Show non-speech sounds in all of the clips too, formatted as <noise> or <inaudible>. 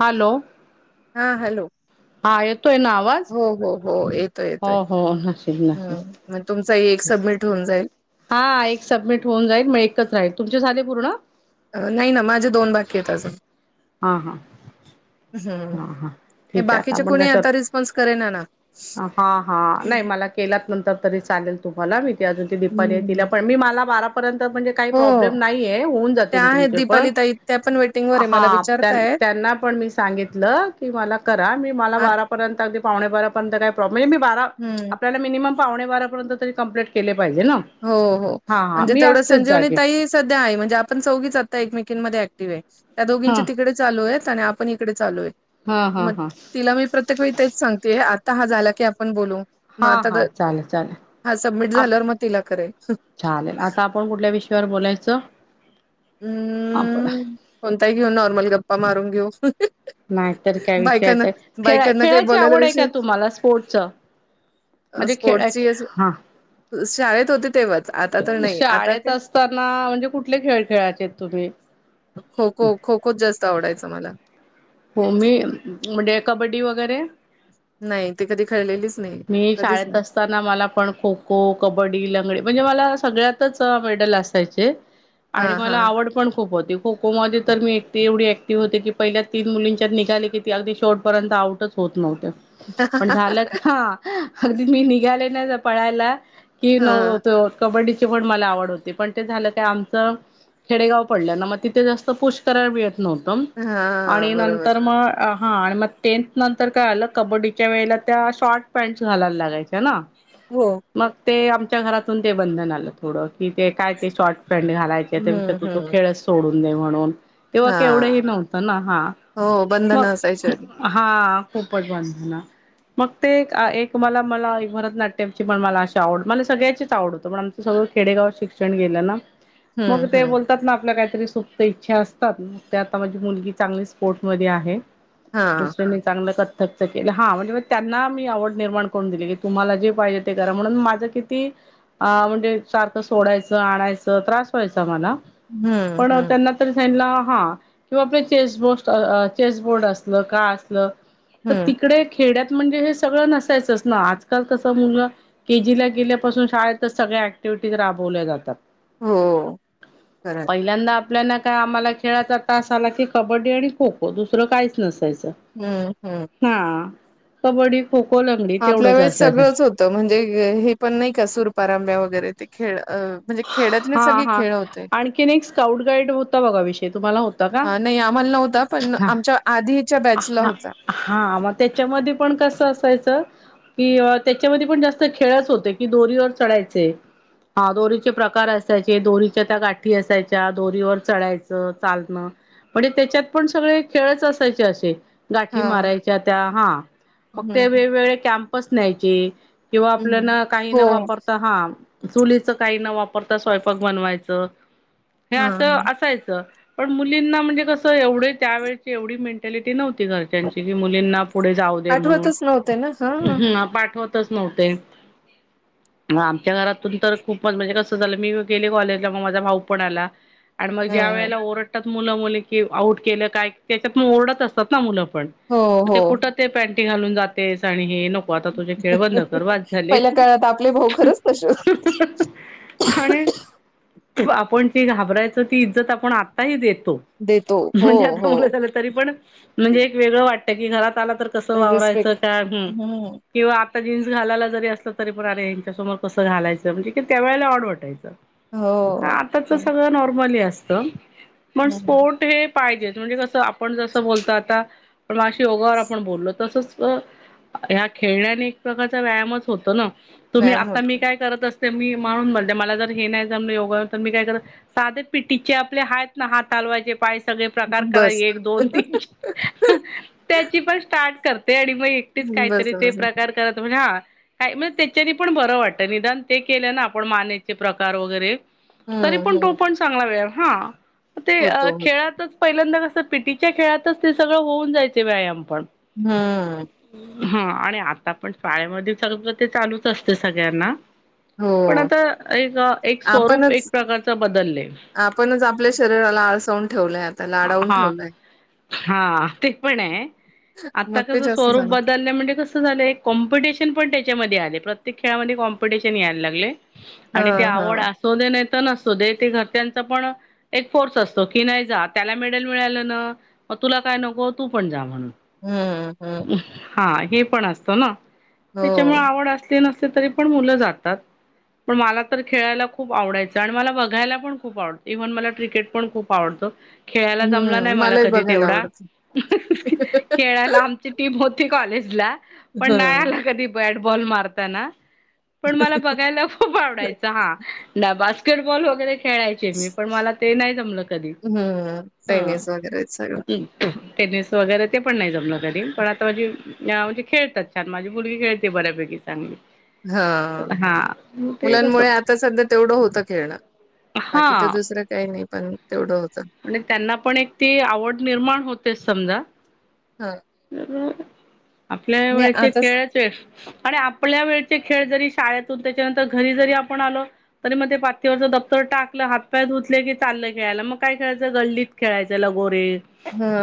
Hello हा hello हा येतोय ना आवाज हो हो हो येतोय हो येतोय. हो नाशिक हं. नाशिक मग तुमचाही एक सबमिट होऊन जाईल. हा एक सबमिट होऊन जाईल, मग एकच राहील, तुमचे झाले पूर्ण? अ नाही ना माझे दोन बाकी येत अजून. हा -हा. हं. हा-हा हे ठीक आहे, आता बाकीचे आपण कोणी कशा आहात? आता रिस्पॉन्स करेना ना. हा-हा नाही मला केलात नंतर तरी चालेल तुम्हाला मी ती अजून ती दीपाली आहे, तिला हं. पण मी मला बारापर्यंत म्हणजे काही हो. प्रॉब्लेम नाहीये होऊन त्या जातील आहेत तुमचे पण, दीपाली ताई त्या पण वेटिंगवर आहे. हा मला विचारतायेत. त्यांना पण मी सा सांगितलं की मला करा, मी मला आत बारापर्यंत अगदी पावणे बारापर्यंत काय प्रॉब्लेम नाही मी बारा हम्म, आपल्याला मिनिमम पावणे बारापर्यंत तरी कंप्लीट केले पाहिजे ना. हो-हो हा हा म्हणजे मी तेवढं असतेच संजीवनी जागे. ताईस सध्या आहे म्हणजे आपण चौघीच आता एकमेकींमध्ये ऍक्टिव्ह ये, त्या हा दोघींचे तिकडे चालू येत आणि आपण इकडे चालू येत, हा हा म हा. तिला मी प्रत्येक वेळी तेच सांगतीये आता हा झाला की आपण बोलू. मग आता हा-हा, तर चालेल-चालेल. हा सबमिट झाल्यावर म तिला करेल. चालेल आता आपण कुठल्या विषयावर बोलायचं? आपण हम्म कोणताही घेऊ, नॉर्मली गप्पा मारून घेऊ. नाहीतर काय विषयाच बायकांना खेळा- बायकांना काही खेळाची बोलायला आवड आहे का विषय तुम्हाला स्पोर्टच? म्हणजे स्पोर्टची खेळा-खेळा हा शाळेत होते तेव्हा शाळेत असताना म्हणजे कुठले खेळ खेळायचे तुम्ही? खोखो, खोखोच जास्त आवडायच मला. हो मी म्हणजे, कबड्डी वगैरे नाही ते कधी खेळलेलीच नाहीये, मी कधीच नाही. शाळेत असताना मला पण खो-खो, कबड्डी, लंगडी म्हणजे मला सगळ्यातच मेडल असायचे. आणि हां मला हां पण खूप होती, खो-खो मध्ये तर मी एकटी एवढी ऍक्टिव्ह होते की पहिल्या तीन मुलींच्यात निघाली की ती अगदी शेवट पर्यंत आउटच होत नव्हत्या, पण झालं हा अगदी मी निघाले ना जर पळायला कि न हां तो कबड्डी <unintelligible> पण मला आवड होते, पण ते झालं काय आमचं खेडेगाव पडल्यानं मं तिथे जास्त पुश करायला मिळत नव्हतं, हां आणि बरोबर नंतर म हा आणि मं टेन्थ नंतर काय झालं कबड्डीच्या वेळेला त्या शॉर्ट पॅन्टस् घालायला लागायच्या ना हो. मग ते आमच्या घरातून ते बंधन आलं थोडं, कि ते काय ते शॉर्ट पॅन्ट घालाय च, त्यापेक्षा हम्म ते तू हम्म खेळच सोडून दे म्हणून, तेव्हा हां केवढंही नव्हतं ना. हा, हो बंधन मग असायची आधी हा पोपट बांधला मग ते एक-एक, मला-मला भरतनाट्यमची पण मला अशी, आवड मला सगळ्याचीच आवड होत पण आम सगळं खेडेगावात शिक्षण गेलं ना. मग हम्म ते हम्म बोलतात ना आपल्या काहीतरी सुप्त इच्छा असतात, मग ते आता माझी मुलगी चांगली स्पोर्ट मध्ये आहे, हां दुसऱ्या मी चांगलं थक्क केले. हा म्हणजे मग त्यांना मी आवड निर्माण करून दिली की तुम्हाला जे पाहिजे ते करा, म्हणून माझं कि ती अ म्हणजे सारखं सोडायचं, आणायचं त्रास व्हायचा मला. हम्म पण अ हम्म त्यांना तरी सांगितला हा किं चेस चेस बोस्ट अं चेस बोर्ड असलं काय असलं तर हम्म तिकडे खेड्यात म्हणजे हे सगळं नसायचंच ना आजकाल कसं मुलं के जी ला गेल्यापासून शाळेतच सगळ्या ऍक्टिव्हिटीज राबविल्या जातात. हो खरं हाय, पहिल्यांदा आपल्याला काय आम्हाला खेळाचा तास आला की कबड्डी आणि खो-खो दुसरं काहीच नसायचं. हम्म-हम्म. हा कबड्डी, खो-खो, लंगडी तेवढंच असायचं. त म्हणजे हे पण नाही का सुरपारांब्या वगैरे ते खेळ काही, हा-हा आणखी एक स्काउट गाईड होता. बघा विषय तुम्हाला होता का? ह नाही आम्हाला नव्हता. पण हा आमच्या आधीच्या बॅचला हा होता. हा मग त्याच्यामध्ये पण कसं असायचं. कि त्याच्यामध्ये पण जास्त खेळच होते की दोरीवर चढायचे हा दोरी? चे प्रकार असायचे दोरीच्या त्या गाठी असायच्या दोरीवर चढायचं चालणं. म्हणजे त्याच्यात पण सगळे खेळच असायचे असे, गाठी हां. मारायच्या त्या हा मग हं, ते वेगवेगळे कॅम्पस न्यायचे. किंवा आपल्यान हं. काही न हो. वापरता हा चुलीच काही न वापरता स्वयंपाक बनवायचं हे हां, अस हां. असायचं. पण मुलींना म्हणजे कसं एवढे त्यावेेळची एवढी मेंटॅलिटी नव्हती घराची, त्यांची कि मुलींना पुढे जाऊ दे म्हणून आठवतच नव्हते ना. हां, हां. हम्म पाठवत. च नव्हते म आमच्या घरातून तर खूप, पण म्हणजे कस झालं मी गेले कॉलेजला मग माझा भाऊ पण आला आणि मग ज्या हं. वेळेला ओर, डतात. मुलं, मुली की आऊट केलं काय त्याच्यात ओरडत असतात ना मुलं पण हो, ते हो. कुठ? ते पॅटी घालून जाते साडी हे नको. मग आता तुझे खेळ बंद कर बस झाले. पहिल्या काळात आपले भाऊ खरंच तसे होते. आणि आपण जी घाबरायचं ती इज्जत आपण आत्ता ही देतो. देतो. हो, म्हणजे आता मुलं हो. झालं तरी पण म्हणजे एक वेगळं वाटत की घरात आला तर! कसं वावरायचं रिस्पेक्ट. काय, हम. हं. किंवा आता जीन्स घालायला जरी असलं तरी पण अरे यांच्या समोर कसं घालायचं म्हणजे, ते त्या वेळेला ऑड वाटायचं हो. आताच तर सगळं नॉर्मल असतं. मण हं, हं. स्पोर्ट हे पाहिजे म्हणजे कसं आपण जसं बोलतो आता. मगाशी ओगावर आपण बोललो तसंच! ह्या खेळण्याने एक प्रकारचा व्यायामच होतो ना तुम्ही व्यायाम आता मी होतो. काय करत अस, ते मी माणून म्हणते मला जर हे नाही जमलं योगा तर मी काय करत- साधे पिटीचे आपले हायत ना हातालवायचे पायसे, सगळे प्रकार करा बस. दोन तीन त्याची पण स्टार्ट आणि मग. न बस, काहीतरी ते बस. प्रकार करत म्हणजे हा का म्हणजे त्याच्यानी पण बरं वाटतं निदान- ते केले ना आपण मानेचे प्रकार वगैरे तरी हं, पण तो हं. पण चांगला वेळ हा. ते होतो. खेळातच पहिल्यांदा कसं पीटीच्या खेळातच ते सगळं होऊन जायचे व्यायाम पण, हम्म हा आणि आता पण शाळेमध्ये सगळं ते चालूच असते सगळ्यांना, हो. पण आता एक एक स्वरूप आपणच एक प्रकारच बदलले. आपणच आपल्या शरीराला आळसावून ठेवलंय आता लाडावून हा ठेवलंय. हा ते पण आहे आता मग ते कस जास्त स्वरूप जाणवत. बदलणे म्हणजे कस, कसं झालं कॉम्पीटेशन पण त्याच्यामध्ये आले प्रत्येक खेळामध्ये कॉम्पिटिशन यायला लागले. आणि ते हां, आवड अस- हां. असुदे नाही तर नसूदे ते घरच्यांचा पण एक फोर्स असतो कि नाही जात. त्याला मेडल मिळालं ना,, मग तुला काय नको, तू पण जा म्हणून. त्या हम्म हम्म. हा हे पण असतं ना, त्याच्यामुळे हो. आवड असली नसली तरी पण मुलं जातात. पण मला तर खेळायला खूप आवडायचं, आणि मला बघायला पण खूप अलग, इव्हन मला क्रिकेट पण खूप आवडतो,, खेळायला जमला नाही हं. मला मलाही कधी बघायला तेवढा, आवडतं. खेळायला आमचे टीम होती कॉलेजला,, पण नाही हं. आला कधी बॅट बॉल मारताना. पण मला बघायला खूप आवडायचं हा,, ना बास्केटबॉल वगैरे खेळायचे मी पण मला ते नाही जमलं कधी. हम्म हा टेनिस वगैरे, ते पण नाही जमलं कधी, पण आता माझे या म्हणजे खेळतात छान, माझी मुलगी खेळते बऱ्यापैकी चांगली. हां. हा मग ते कसं मुलांमुळे आता सध्या तेवढं होतं खेळणं,, हा बाकीच दुसरं काही नाही पण तेवढं होतं. आणी त्यांना पण एक ती आवड निर्माण होतेस समजा. हां. आपल्या नाही वेळचे आताच खेळ आणि आपल्या वेळचे खेळ जरी शाळेतून त्याच्यानंतर घरी जरी आपण आलो तरी मग ते पाटीवरचं दफ्तर टाकलं, हात पाय धुतले की चाललं खेळायला, मग काय खेळायचं गल्लीत खेळायचं लगोरे,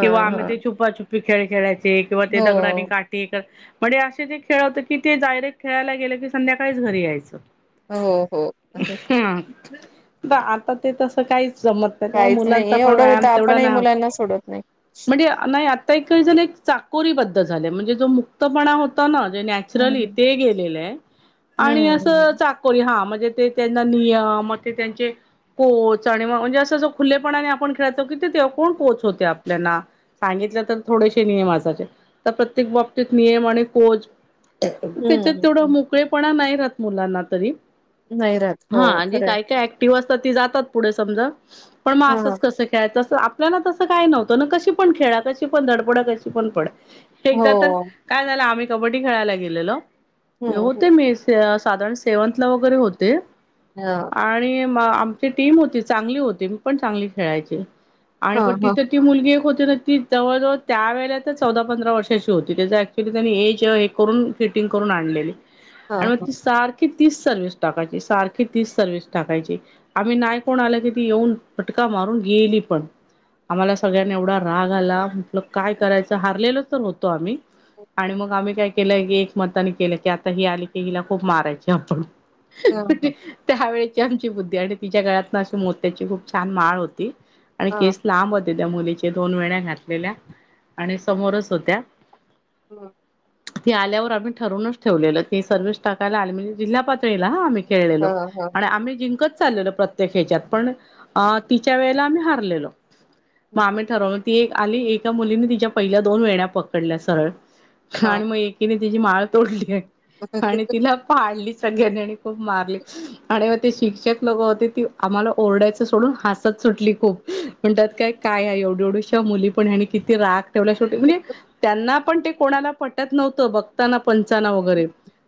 किंवा आम्ही ते हां. छुपाछपी खेळ खेळायच चे किंवा ते दगडाने हो. का ते,, म्हणजे असे जे खेळ होते की ते डायरेक्ट खेळायला गेलं की संध्याकाळीच घरी यायचं. हो हो. हं, आता ते तसं काही जमत त्याच्यामुळे काहीच नाही मुलांचा पण एवढं व्यायाम होतं तेवढा आपणही नाही होत. मुलांना सोडत नाही. म्हणजे नाही आता एक काय झालय चाकोरी पद्धत झाले म्हणजे जो मुक्तपणा होता ना, जे नॅच नॅचरली, हम्म ते गेलेल आहे, आणि हम्म असं चा हा म्हणजे ते त्यांना नियम, त्यांचे कोच आणि म्हणजे असं जो खुलेपणाने आपण खेळतो की ते तेव्हा कोण कोच होते आपल्याला. सांगितलं तर थोडेसे नियम असायचे, तर प्रत्येक बाबतीत नियम आणि कोच त्याच्यात हम्म. तेवढा हम्म. मोकळेपणा नाई राहत मुलांना तरी नाही राहत हो हा, अणि जे खरंय काय काय अॅ टिव आसतात ती जातात पुढं समजा, पण म असं हां कसं काय जंस आप आपल्याला तसं काय नव्हतं ना, कशी पण खेळा कशी पण धडपडा, कशी पण पड, हो एकदा तर काय झालं आम्ही कबड्डी खेळायला गेलेलो,, हम्म होते हम्म. मी ते साधारण सेवंथला वगैरे होते हां. आणि म आमची टीम होती चांगली होती, मी पण चांगली खेळायची, आणि पण हां हां तिथे ती मुलगी एक होती ना, ती जवळजवळ त्यावेळेला तर चौदा पंधरा वर्षाची होती, त्याच्या अॅ तीत त्यांनी एज ये करून फिटिंग करून आणलेली, हां आणि मग हां ती सार की तीस सरव्हीस टाकायची, सारखी तीच सरव्हीस टाकायची, आम्ही नाही कोण आल कि ती येऊन फटका मारून गेली पण. आम्हाला सगळ्यांना एवढा राग आला म्हटलं काय करायचं,, हारलेलो तर होतो आम्ही आणि मग आम्ही काय केलं एकमताने केलं की आता ही आली की हिला खूप मारायची आपण,,, हां त्या वेळची आमची बुद्धी,, आणि तिच्या गळात ना अशी मोत्याची खूप छान माळ होती आणि हां हां. केस लांब होते. त्या मुलीचे दोन वेन्या घातलेल्या. आणि समोरच होत्या हं ती आल्यावर आम्ही ठरूनच ठेवलेलं की, सर्व्हिस टाकायला आली म्हणजे जिल्हा पातळीला हा आम्ही खेळलेलो. हां हां आणि आम्ही जिंकत चाललेलो प्रत्येक हेच्यात पण अ तिच्या वेळेला आम्ही हरलेलो. म हं आम्ही ठरवल ती एक आली. एका मुलीने तिच्या पहिल्या दोन वेण्या पकडल्या सरळ हां आणि म एक एकीनी तिची माळ तोडलीये. आणि तिला पाडली सगळ्यांनी आणि खूप मारली. आणि मग ते शिक्षक लोक होते. ती आम्हाला ओरडायच सोडून हसत सुटली खूप, म्हणतात काय काय हया एवढु एवढुशा मुली पण ह्यांनी किती राग तेवना शेवटी म्हणजे त्यांना पण ते कोणाला पटत नव्हतं बघताना पंचाना वगैरे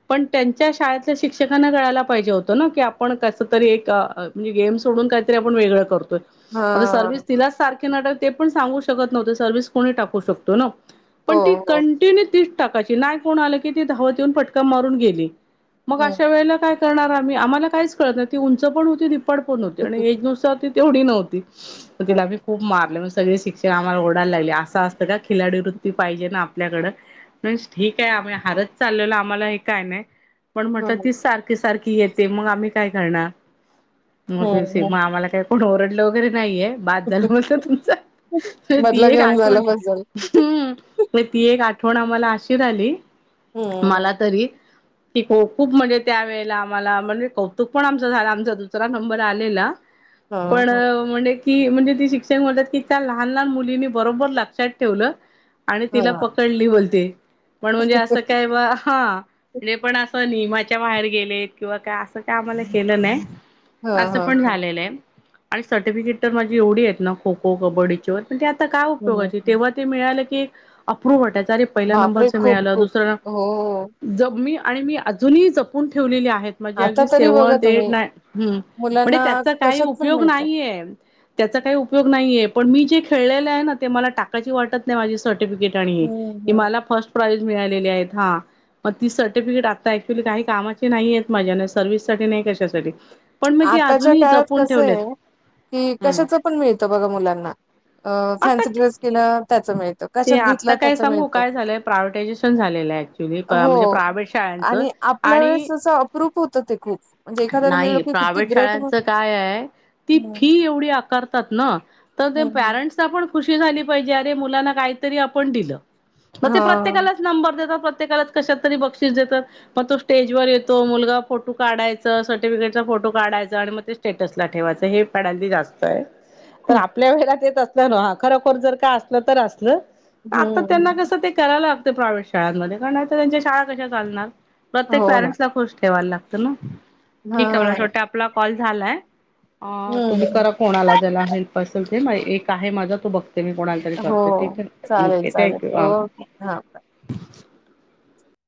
पण त्यांच्या शाळेतल्या शिक्षकांना कळायला पाहिजे होतं ना की, आपण कस तरी एक म्हणजे गेम सोडून काय तरी आपण वेगळं करतोय. आता सर्विस हां तिलाच सांर त्यानं ते पण सांगू शकत नव्हतो. सर्विस कोणी टाकू शकतो ना, हो पण ती हो कंटिन्यू ती टाकायची नाय कोण आल की, ती धावत येऊन फटका मारून गेली, मग हम्म अशा वेळेला काय करणार आम्ही आम्हाला काहीच कळत नाय. ती उंच पण होती. धिपाड पण होती. आणि एज नुसार ती तेवढी नव्हती. म हां तिला आम्ही खूप मारले. म्हणून सगळे शिक ते आम्हाला ओडायला लागले. असं असतं का खिलाडी वृत्ती पाहिजे ना आपल्याकड फर्स्ट ठीक हाय. आम्ही हारत चाललेलो. आम्हाला हे काय नाय पण म्हटलं हां. तीच सारखी सारखी येते, मग आम्ही काय करणार म हम्म ते <unintelligible> हम्म आम्हाला काय कोण ओरडलं वगैरे नाहीये. बास झाल बोलता तुमचा, तर ती बदला एक घेऊन आठवण झालं बस झालं. हम्म, म ती एक आठवण आम्हाला अशी रायली, हम्म मला तरी की ख खूप म्हणजे त्या वेळेला आम्हाला म्हणजे, कौतुक पण आमचं झाल. आमचा दुसरा नंबर आलेला. हां पण हां म्हनेत ती म्हणजे, ती शिक्षण म्हणतात की, त्या लहान लहान मुलींनी बरोबर लक्षात ठेवलं आणि तिला पक हां पकडली बोलते. पण म्हणजे असं काय ब हा ले पण असं नियमाचा बाहेर गेलेत. किंवा काय असं काय आम्हाला केलं नाय. हां असं हां पण हां. झालेलं ये. आणि सर्टिफिकेट तर माझी एवढी आहेत ना, खो खो, कबड्डीच व पण ते आता काय उपयोगाची, हं तेव्हा ते मिळालं की एक अप्रुप वाटायचं. की अरे पहिला बापरे! नंबरच खूप मिळालं. खूप दुसरं हो नं ज मी अणि मी अजूनही जपून ठेवलेली आहेत. म्हणजे आता अगदी तरी बघा सेवनथ, एट, तुम्ही नाय हूं मुलांना म्हणजे त्याचा काही कशात पण उपयोग मिळतात. नाहीये. त्याचा काही उपयोग नाहीये. पण मी जे खेळलेले आहे. ना ते मला टाकायची वाटत नाय माझी सर्टिफिकेट. ते आणि हम्म की हम्म मला फर्स्ट प्राईज मिळालेली आहेत. हा. म ती सर्टिफिकेट आता ऍक्च्युली काही कामाची नाहीयेत. माझ्या न सर्व्हिस साठी ना कशासाठी पण मी ती आताच्या अजूनही काळात जपून कसं ये ठेवलेत की, हम्म कशाच पण मिळत बघा मुलांना अ आता फॅन्सी ड्रे ड्रेस केला त्याच मिळत. ते आत्ता काय सांगू काय झालंय प्रायव्टायझेशन झालेलंय. ऍक्च्युअली प्रा म्हणजे हो प्रायव्हेट शाळांचं आणि आपल्या वेळेस आणि कसं अप्रूप होतं ते खूप, म्हणजे एखाद्या मिळल की किती ग्रेट शाळांच काय हाय. ती हम्म फी एवढी आकारतात ना तर ते हम्म पॅरन्ट सला पण खुशी झाली पाहिजे. अरे मुलांना कायतरी आपण दिल म ते हा प्रत्येकालाचं नंबर देतात. प्रत्येकालाचं कशातरी बक्षीस देतात. म तो स्टेज वर येतो मुलगा, फोटू काढायच. सर्टिफिकेटचा फोटो काढायचा आणि मग ते स्टेटसला ठेवायचं हे फॅड हल्ली जास्त आय. पण खूप आपल्या वेलात येत असल न ओ, खरखोर जर काय असलं तर असल आता त्यांना हम्म कसं ते करायला लागते प्रायव्हेट शाळांमध्ये, कारण आता त्यांच्या शाळा कशा चालणार. प्रत्येक हो ना पॅरेंट्स ला खुश ठेवायला लागतं ना, हा ठीक आहे मला अस वाटतय आपला कॉल झालाय. अ तुम्ही हम्म करा कोणाला ज्याला हेल्प असेल ते, मा एक आहे माझा तो बघते मी कोणाला. तरी हो करते ठीक आहे. चालेल ओके चालेल, थँक्यू हा. ओके हा, बाय